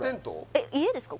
えっ家ですか？